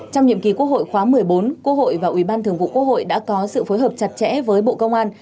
trong nhiệm kỳ quốc hội khóa một mươi bốn quốc hội và ủy ban thường vụ quốc hội đã có sự phối hợp chặt chẽ với bộ công an